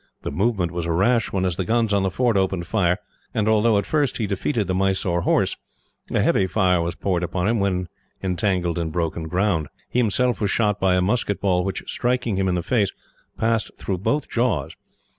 The movement was a rash one, as the guns on the fort opened fire, and although at first he defeated the Mysore horse, a heavy fire was poured upon him, when entangled in broken ground. He himself was shot by a musket ball which, striking him in the face, passed through both jaws.